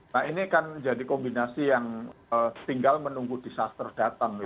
nah ini kan jadi kombinasi yang tinggal menunggu disaster datang